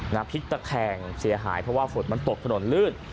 พลิกตะแคงเสียหายเพราะว่าฝนมันตกถนนลื่น